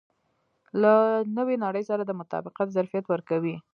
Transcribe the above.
له نوې نړۍ سره د مطابقت ظرفیت ورکوي.